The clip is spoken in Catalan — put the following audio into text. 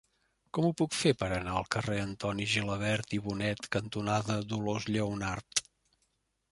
Com ho puc fer per anar al carrer Antoni Gilabert i Bonet cantonada Dolors Lleonart?